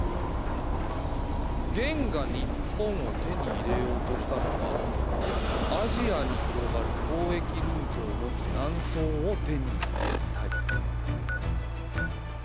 元が日本を手に入れようとしたのはアジアに広がる交易ルートを持つ南宋を手に入れたい。